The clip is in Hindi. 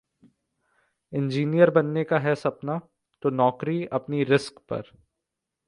इंजीनियर बनने का है सपना? तो नौकरी अपनी रिस्क पर...